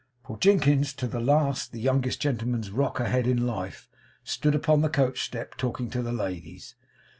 For Jinkins, to the last the youngest gentleman's rock a head in life, stood upon the coachstep talking to the ladies.